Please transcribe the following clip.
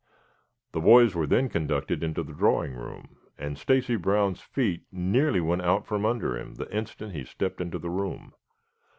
The boys were then conducted into the drawing room, and Stacy Brown's feet nearly went out from under him the instant he stepped into the room.